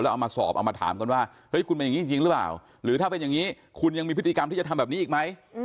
เอามาสอบเอามาถามกันว่าเฮ้ยคุณเป็นอย่างนี้จริงหรือเปล่าหรือถ้าเป็นอย่างนี้คุณยังมีพฤติกรรมที่จะทำแบบนี้อีกไหม